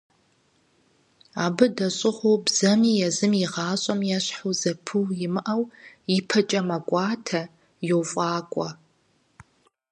Абы дэщӀыгъу бзэми езы гъащӀэм ещхьу зэпыу имыӀэу ипэкӀэ мэкӀуатэ, йофӀакӀуэ.